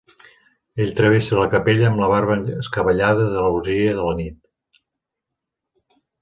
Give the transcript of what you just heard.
Ell travessa la capella amb la barba escabellada de l’orgia de la nit.